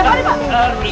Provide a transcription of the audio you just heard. ada apaan di sini